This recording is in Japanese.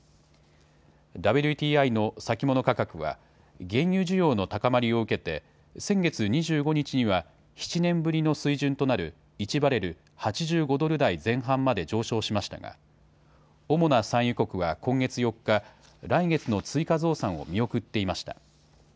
ＷＴＩの先物価格は原油需要の高まりを受けて先月２５日には７年ぶりの水準となる１バレル８５ドル台前半まで上昇しましたが主な産油国は今月４日、来月の追加増産を見送っていました。